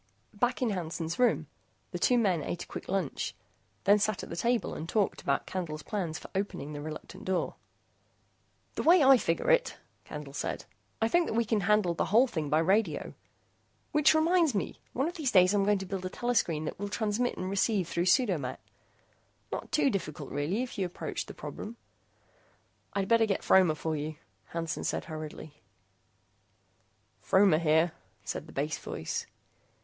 Back in Hansen's room, the two men ate a quick lunch, then sat at the table and talked about Candle's plans for opening the reluctant door. "The way I figure it," Candle said, "I think that we can handle the whole thing by radio. Which reminds me, one of these days I'm going to build a telescreen that will transmit and receive through pseudo met. Not too difficult really if you approach the problem " "I better get Fromer for you," Hansen said hurriedly. "Fromer here," said the bass voice.